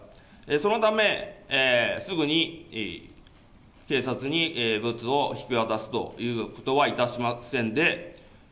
そのため、すぐに警察にブツを引き渡すということはいたしませんで。